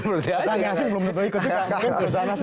petani asing belum ikut